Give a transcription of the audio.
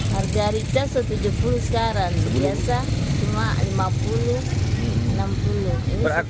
harga ricak rp tujuh puluh sekarang